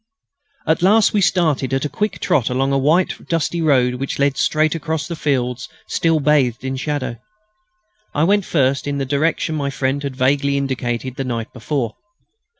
At last we started at a quick trot along a white and dusty road which led straight across fields still bathed in shadow. I went first in the direction my friend had vaguely indicated the night before.